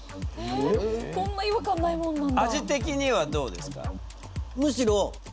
こんな違和感ないものなんだ。